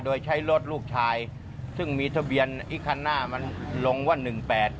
โดยใช้รถลูกชายซึ่งมีทะเบียนอีกคันหน้ามันลงว่าหนึ่งแปด